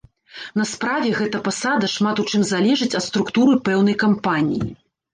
На справе гэта пасада шмат у чым залежыць ад структуры пэўнай кампаніі.